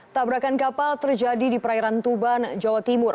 tabrakan kapal terjadi di perairan tuban jawa timur